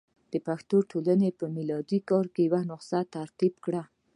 پښتو ټولنې په میلادي کال کې یوه نسخه ترتیب کړه.